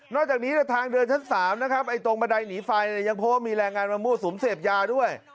นอกจากนี้ทางเดินชั้น๓ตรงบดัยหนีไฟยังพบมีแรงงานมามั่วสูมเสพยาด้วย